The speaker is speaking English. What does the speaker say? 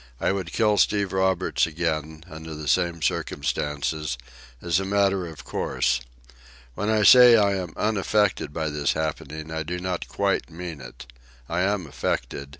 I would kill Steve Roberts again, under the same circumstances, as a matter of course. When I say I am unaffected by this happening I do not quite mean it. I am affected.